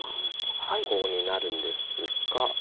コウになるんですが。